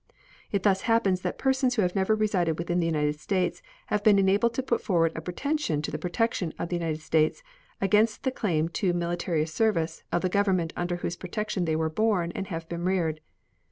It thus happens that persons who have never resided within the United States have been enabled to put forward a pretension to the protection of the United States against the claim to military service of the government under whose protection they were born and have been reared.